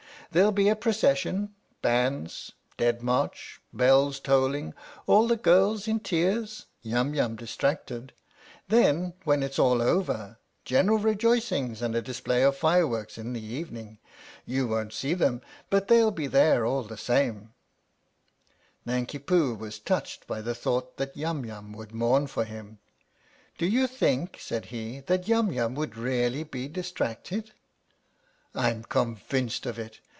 There'll be a procession, bands, Dead March, bells tolling, all the girls in tears, Yum Yum distracted then, when it's all over, general rejoicings and a display of fireworks in the evening ! You won't see them, but they'll be there all the same." 57 THE STORY OF THE MIKADO Nanki Poo was touched by the thought that Yum Yum would mourn for him. " Do you think," said he, " that Yum Yum would really be distracted ?"" I'm convinced of it.